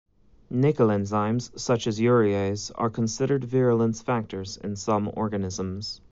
Nickel enzymes such as urease are considered virulence factors in some organisms.